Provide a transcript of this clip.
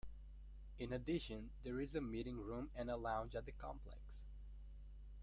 In addition, there is a meeting room and a lounge at the complex.